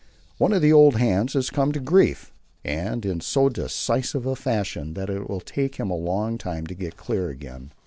One of the old hands has come to grief, and in so decisive a fashion that it will take him a long time to get clear again.